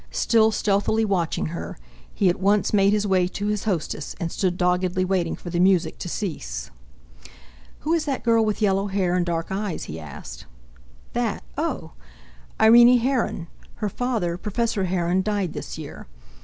Still stealthily watching her, he at once made his way to his hostess, and stood doggedly waiting for the music to cease. "Who is that girl with yellow hair and dark eyes?" he asked. "That—oh! Irene Heron. Her father, Professor Heron, died this year.